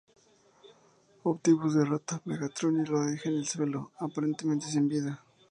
Optimus derrota a Megatron y lo deja en el suelo, aparentemente sin vida.